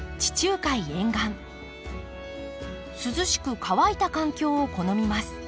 涼しく乾いた環境を好みます。